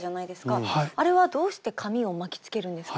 あれはどうして紙を巻きつけるんですか？